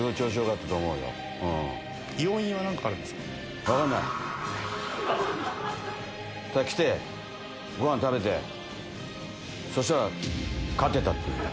ただ来て、ごはん食べて、そしたら勝てたっていう。